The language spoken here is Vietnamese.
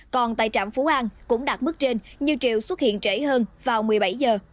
còn tại trạm phú an cũng đạt mức trên như chiều xuất hiện trễ hơn vào một mươi bảy giờ